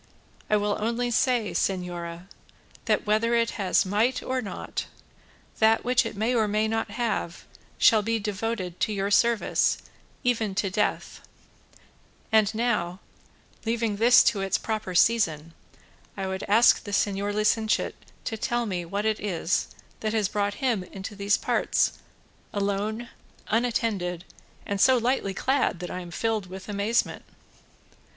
I will only say, señora, that whether it has might or not, that which it may or may not have shall be devoted to your service even to death; and now, leaving this to its proper season, I would ask the señor licentiate to tell me what it is that has brought him into these parts, alone, unattended, and so lightly clad that I am filled with amazement."